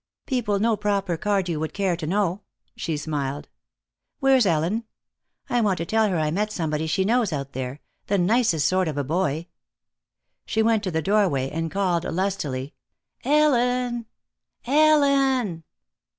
"People no proper Cardew would care to know." She smiled. "Where's Ellen? I want to tell her I met somebody she knows out there, the nicest sort of a boy." She went to the doorway and called lustily: "Ellen! Ellen!"